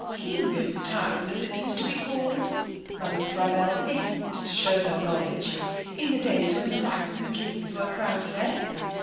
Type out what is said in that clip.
'Kyngestown, as it used to be called' (Madame Frabelle hastened to show her knowledge) 'in the days when Saxon kings were crowned there.